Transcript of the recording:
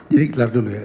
jadi kelar dulu ya